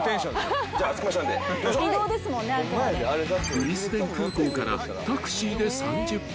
［ブリスベン空港からタクシーで３０分］